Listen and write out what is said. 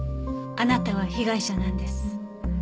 あなたは被害者なんです。